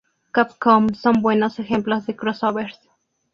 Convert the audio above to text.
Capcom son buenos ejemplos de "crossovers".